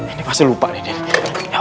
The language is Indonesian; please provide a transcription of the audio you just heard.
ini pasti lupa nih dia